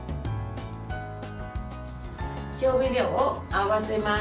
調味料を合わせます。